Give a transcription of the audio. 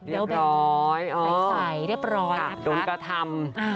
เรียบร้อยโดนกาธรรม